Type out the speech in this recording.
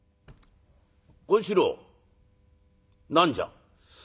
「権四郎何じゃ？」。